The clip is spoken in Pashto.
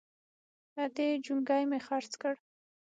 _ادې! جونګی مې خرڅ کړ!